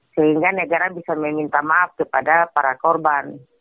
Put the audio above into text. sehingga negara bisa meminta maaf kepada para korban